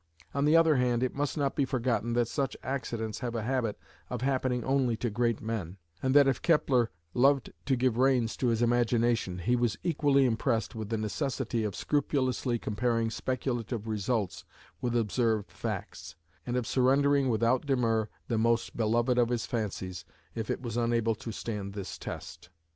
On the other hand it must not be forgotten that such accidents have a habit of happening only to great men, and that if Kepler loved to give reins to his imagination he was equally impressed with the necessity of scrupulously comparing speculative results with observed facts, and of surrendering without demur the most beloved of his fancies if it was unable to stand this test.